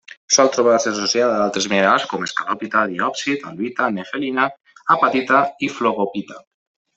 Sol trobar-se associada a altres minerals com: escapolita, diòpsid, albita, nefelina, apatita i flogopita.